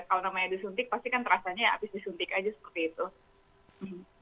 kalau namanya disuntik pasti kan terasanya ya habis disuntik aja seperti itu